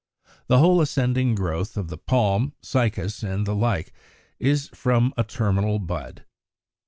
The whole ascending growth of the Palm, Cycas, and the like (such as in Fig. 71) is from a terminal bud.